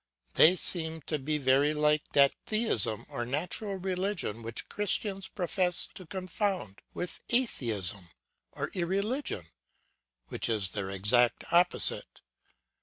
They seem to be very like that theism or natural religion, which Christians profess to confound with atheism or irreligion which is their exact opposite.